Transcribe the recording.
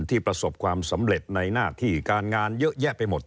ประสบความสำเร็จในหน้าที่การงานเยอะแยะไปหมด